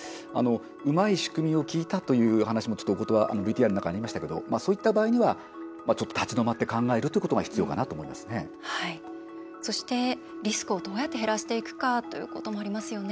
うまい仕組みを聞いたという話もちょっと、お言葉ＶＴＲの中にありましたけどそういった場合には、ちょっと立ち止まって考えるということがそして、リスクをどうやって減らしていくかということもありますよね。